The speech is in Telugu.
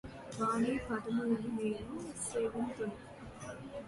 వాని పాదములను నేను సేవింతును